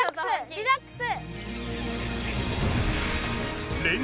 リラックス！